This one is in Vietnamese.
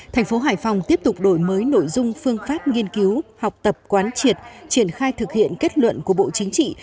thành phố hải phòng tiếp tục đổi mới nội dung phương pháp nghiên cứu học tập quán triệt triển khai thực hiện kết luận của bộ chính trị